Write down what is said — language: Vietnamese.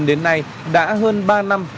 đến nay đã hơn ba năm